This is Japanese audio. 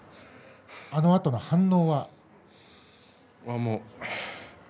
あのあとの反応は？